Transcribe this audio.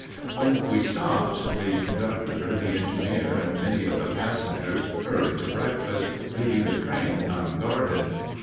When we stopped, the conductor, the engineer, and many of the passengers hurried to breakfast, leaving the train unguarded.